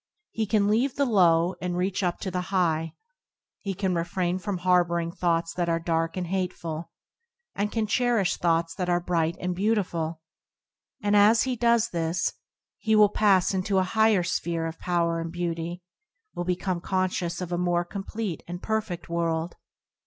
He can leave the low, and reach up to the high ; he can refrain from harbour ing thoughts that are dark and hateful, and can cherish thoughts that are bright and beautiful ; and as he does this, he will pass into a higher sphere of power and beauty, will become conscious of a more complete and perfed world.